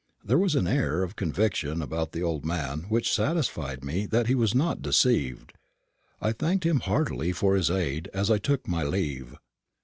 There was an air of conviction about the old man which satisfied me that he was not deceived. I thanked him heartily for his aid as I took my leave.